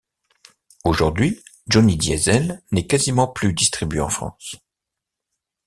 Aujourd’hui Johnny Diesel n’est quasiment plus distribué en France.